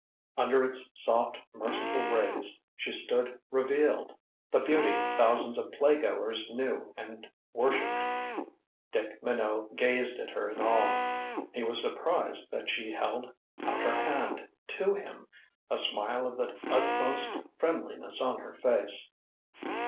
Under its soft merciful rays she stood revealed the beauty thousands of playgoers knew and worshiped. Dick Minot gazed at her in awe. He was surprised that she held out her hand to him, a smile of the utmost friendliness on her face.